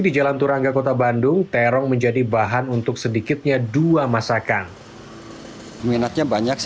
di jalan turangga kota bandung terong menjadi bahan untuk sedikitnya dua masakan minatnya banyak